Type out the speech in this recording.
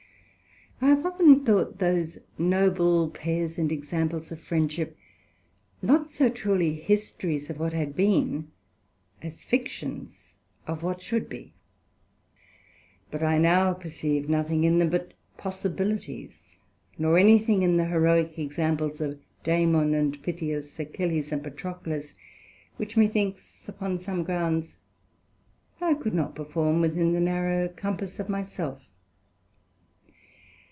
I have often thought those noble pairs and examples of friendship not so truly Histories of what had been, as fictions of what should be; but I now perceive nothing in them but possibilities, nor any thing in the Heroick examples of Damon and Pythias, Achilles and Patroclus, which methinks upon some grounds I could not perform within the narrow compass of my self.